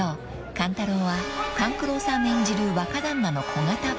勘太郎は勘九郎さん演じる若旦那の小形版］